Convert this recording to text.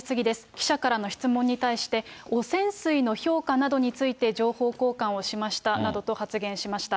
記者からの質問に対して、汚染水の評価などについて情報交換をしましたなどと発言しました。